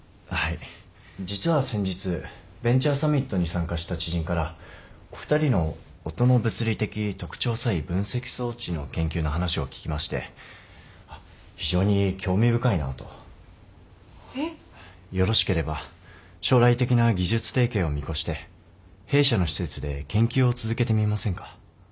実は先日ベンチャーサミットに参加した知人からお二人の音の物理的特徴差異分析装置の研究の話を聞きまして非常に興味深いなと。えっ！？よろしければ将来的な技術提携を見越して弊社の施設で研究を続けてみませんか？